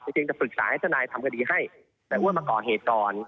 ทีนี้จะฝึกษาให้ทนายทำคดีให้แต่อ้วนมาก่อเหตุกรณ์